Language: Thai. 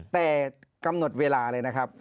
แต่กำหนดเวลาเลยนะครับ